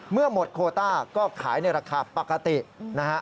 เมื่อหมดโคต้าก็ขายในราคาปกตินะฮะ